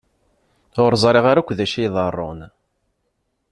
Ur ẓriɣ ara akk d acu iḍerrun.